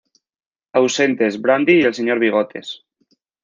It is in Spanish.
Ausentes:Brandy y el Señor Bigotes